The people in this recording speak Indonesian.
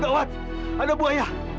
gawat ada buaya